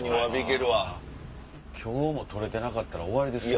今日も取れてなかったら終わりですよね。